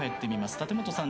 立本さん